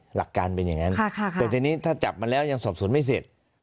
หลักการเป็นอย่างนั้นแต่ทีนี้ถ้าจับมาแล้วยังสอบสวนไม่เสร็จ